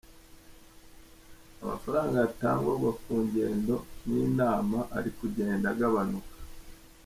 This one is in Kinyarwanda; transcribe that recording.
Amafaranga yatangwaga ku ngendo n’inama ari kugenda agabanuka.